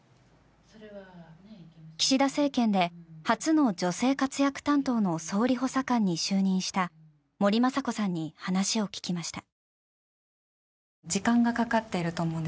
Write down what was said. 岸田政権で初の女性活躍担当の総理補佐官に就任した森まさこさんに話を聞きました。